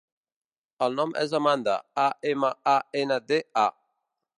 El nom és Amanda: a, ema, a, ena, de, a.